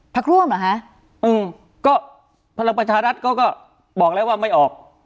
พักร่วมเหรอคะอืมก็พลังประชารัฐเขาก็บอกแล้วว่าไม่ออก